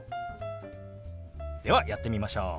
ではやってみましょう！